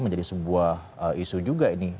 menjadi sebuah isu juga ini